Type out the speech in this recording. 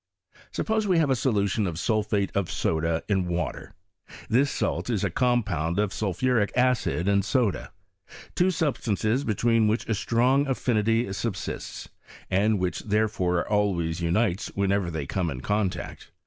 Suppose we have u solution of sulphate of soda in water. Tliis salt is a compound of sulphuric acid and soda ; two substances between which a strong affinity subsists, and which therefore always unites whenever they come in contact.